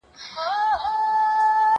زه پرون موټر کاروم !!